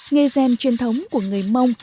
nghe gen truyền thống của người mông